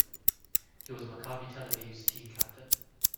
He was Maccabi Tel Aviv's team captain.